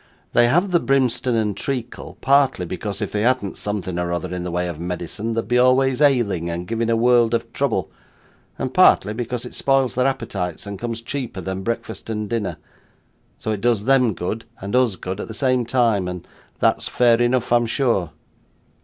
They have the brimstone and treacle, partly because if they hadn't something or other in the way of medicine they'd be always ailing and giving a world of trouble, and partly because it spoils their appetites and comes cheaper than breakfast and dinner. So, it does them good and us good at the same time, and that's fair enough I'm sure.